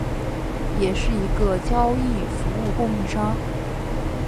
也是一个交易服务供应商。